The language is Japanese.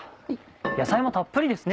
野菜もたっぷりですね